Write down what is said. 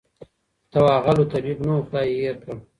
ته وا غل وو طبیب نه وو خدای ېې هېر کړ